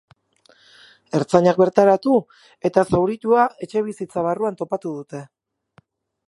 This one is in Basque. Ertzainak bertaratu eta zauritua etxebizitza barruan topatu dute.